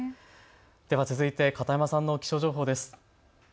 では続いて片山さんの気象情報です。